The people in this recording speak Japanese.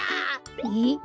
えっ？